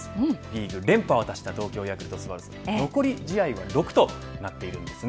リーグ連覇を果たした東京ヤクルトスワローズ残り試合は６となっています。